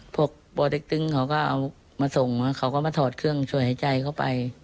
พวกป่อเต็กตึงเขาก็เอามาส่งเขาก็มาถอดเครื่องช่วยหายใจเข้าไป